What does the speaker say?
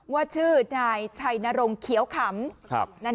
ว่าชื่อในชานโรงเขียวขำ